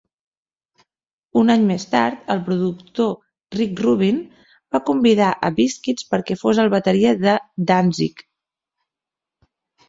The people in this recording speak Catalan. Un any més tard, el productor Rick Rubin va convidar a Biscuits perquè fos el bateria de Danzig.